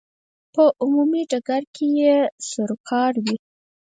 په عمومي ډګر کې یې سروکار وي.